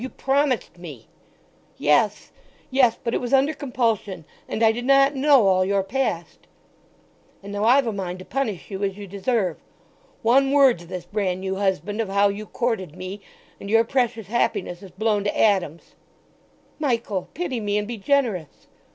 "You promised me!" "Yes, yes! But it was under compulsion, and I did not know all your past——" "And now I've a mind to punish you as you deserve! One word to this bran new husband of how you courted me, and your precious happiness is blown to atoms!" "Michael—pity me, and be generous!"